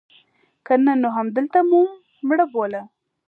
که نه نو همدلته مو مړه بوله.